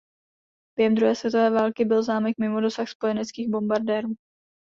Během druhé světové války byl zámek mimo dosah spojeneckých bombardérů.